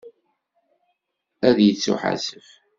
Ad yettuḥasef.